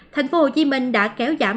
thành phố hồ chí minh đã kéo giảm